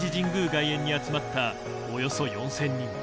外苑に集まったおよそ４０００人。